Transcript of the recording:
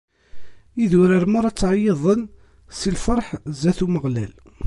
Idurar merra ttɛeyyiḍen si lferḥ sdat Umeɣlal.